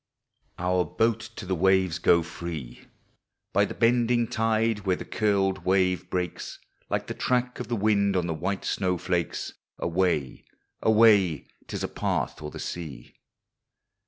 Our boat to the waves go free, By the bending tide, where the curled wave breaks, Like the track of the wind on the white snow flakes : Away, away ! 'T is a path o'er the sea.